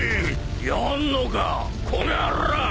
やんのかこの野郎！